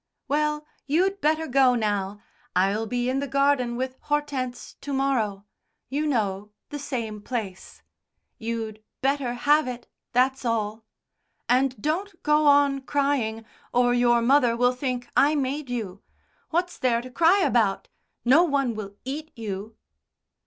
"Well, you'd better go now. I'll be in the garden with Hortense to morrow. You know, the same place. You'd better have it, that's all. And don't go on crying, or your mother will think I made you. What's there to cry about? No one will eat you."